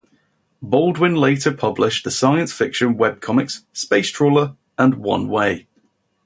Baldwin later published the science fiction webcomics "Spacetrawler" and "One Way".